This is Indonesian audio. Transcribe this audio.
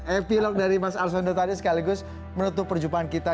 epilog dari mas arswendo tadi sekaligus menutup perjumpaan kita